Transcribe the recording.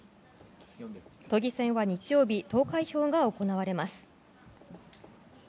都議選は日曜日投開票が行われます。